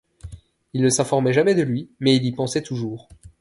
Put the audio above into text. Il ne s’informait jamais de lui, mais il y pensait toujours.